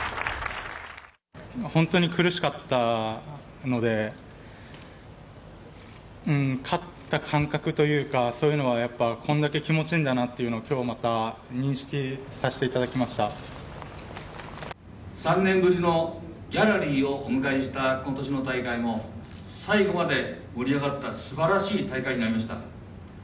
本当に苦しかったので、勝った感覚というか、そういうのはこんだけ気持ちいいんだなというのを今日また認識さ３年ぶりのギャラリーをお迎えした今年の大会も最後まで盛り上がった素晴らしい大会になりました。